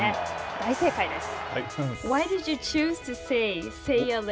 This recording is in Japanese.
大正解です。